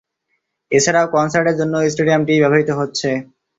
এছাড়াও, কনসার্টের জন্যও স্টেডিয়ামটি ব্যবহৃত হচ্ছে।